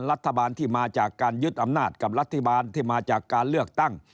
รัฐบาลที่มาจากการยึดอำนาจกับรัฐบาลที่มาจากการเลือกตั้ง